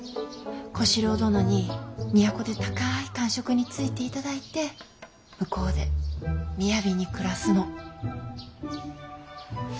小四郎殿に都で高い官職に就いていただいて向こうで雅に暮らすの。